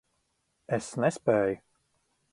Es nespēju.